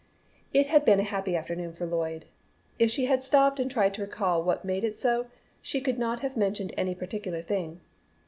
It had been a happy afternoon for Lloyd. If she had stopped and tried to recall what made it so, she could not have mentioned any particular thing.